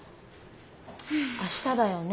明日だよね？